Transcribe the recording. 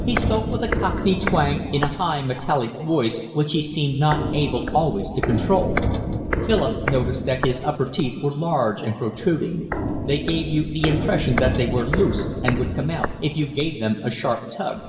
He spoke with a cockney twang in a high, metallic voice which he seemed not able always to control; Philip noticed that his upper teeth were large and protruding; they gave you the impression that they were loose and would come out if you gave them a sharp tug.